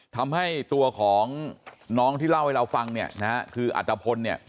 ทำให้ตัวของน้องที่เล่าให้เราฟังเนี่ยนะฮะคืออัตภพลเนี่ย